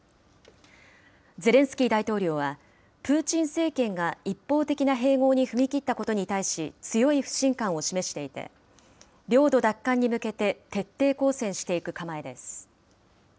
ゼレンスキー大統領は、プーチン政権が一方的な併合に踏み切ったことに対し、強い不信感を示していて、領土奪還に向けて徹底抗戦していく構えです。